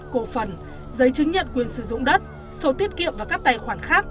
cổ phần giấy chứng nhận quyền sử dụng đất sổ tiết kiệm và các tài khoản khác